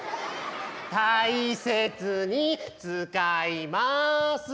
「大切に使います」。